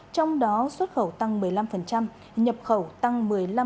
trong đó xuất khẩu tăng một mươi năm nhập khẩu tăng một mươi năm